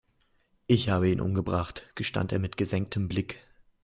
Ich habe ihn umgebracht, gestand er mit gesenktem Blick.